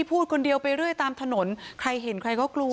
พูดคนเดียวไปเรื่อยตามถนนใครเห็นใครก็กลัว